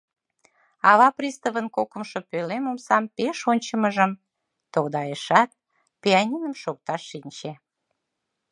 Ава приставын кокымшо пӧлем омсам пеш ончымыжым тогдайышат, пианиным шокташ шинче.